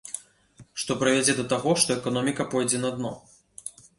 Што прывядзе да таго, што эканоміка пойдзе на дно.